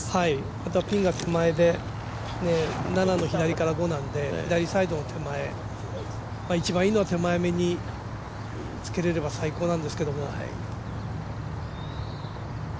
あとはピンの手前で７の左から５なので左サイド手前、一番いいのは手前につけれれば、最高なんですけれども。